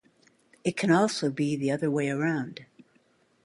It can also be the other way around.